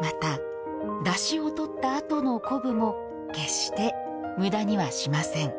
また、だしをとったあとの昆布も決して無駄にはしません。